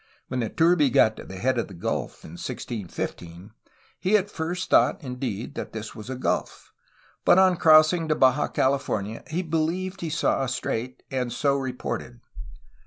When Iturbe got to the head of the gulf in 1615, he at first thought indeed that this was a gulf, but on crossing to Baja California he believed he saw a strait, and so reported.